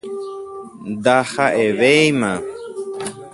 Ndaha'evéima